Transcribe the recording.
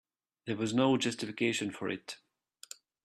There was no justification for it.